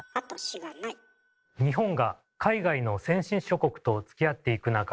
日本が海外の先進諸国とつきあっていく中